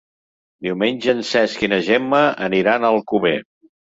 Diumenge en Cesc i na Gemma aniran a Alcover.